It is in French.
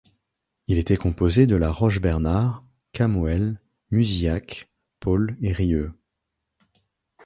Il était composé des la Roche Bernard, Camoel, Muzillac, Peaule et Rieux.